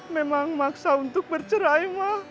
memang maksa untuk bercerai